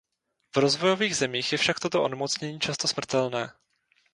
V rozvojových zemích je však toto onemocnění často smrtelné.